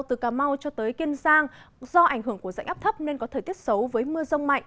từ cà mau cho tới kiên giang do ảnh hưởng của rãnh áp thấp nên có thời tiết xấu với mưa rông mạnh